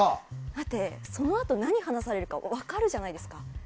だって、そのあと何話されるか分かるじゃないですか。